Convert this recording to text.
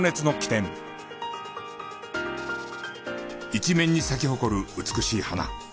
一面に咲き誇る美しい花。